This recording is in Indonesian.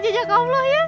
ya tuhan ya